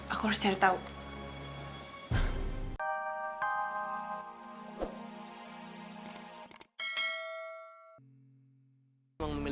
aku harus cari harimau